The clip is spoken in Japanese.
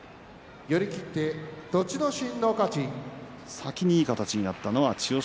先にいい形になったのは千代翔